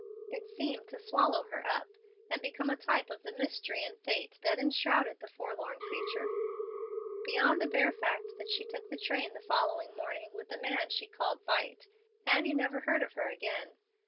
It seemed to swallow her up, and become a type of the mystery and fate that enshrouded the forlorn creature. Beyond the bare fact that she took the train the following morning with the man she called "Vight," Annie never heard of her again.